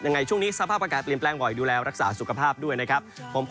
ยังไงช่วงนี้สภาพอากาศเปลี่ยนแปลงบ่อยดูแลรักษาสุขภาพด้วยนะครับ